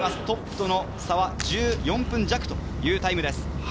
トップとの差は１４秒弱というタイムです。